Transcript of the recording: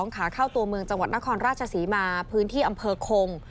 ขาเข้าตัวเมืองจังหวัดนครราชศรีมาพื้นที่อำเภอคง